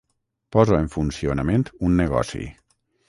Poso en funcionament un negoci.